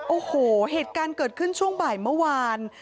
โอ้โหเหตุการณ์เกิดขึ้นช่วงบ่ายเมื่อวาน